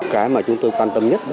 cái mà chúng tôi quan tâm nhất